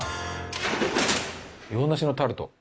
洋梨のタルト。